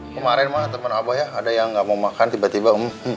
kemaren temen abu ya ada yang gak mau makan tiba tiba